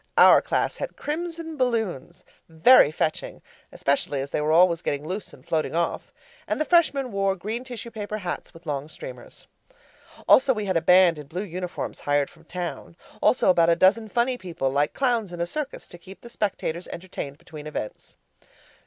Our class had crimson balloons very fetching, especially as they were always getting loose and floating off and the Freshmen wore green tissue paper hats with long streamers. Also we had a band in blue uniforms hired from town. Also about a dozen funny people, like clowns in a circus, to keep the spectators entertained between events.